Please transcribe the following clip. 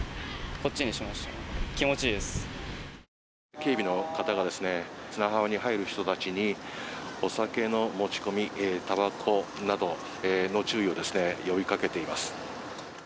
警備の方が砂浜に入る人たちにお酒の持ち込み、たばこなどの注意を呼びかけています。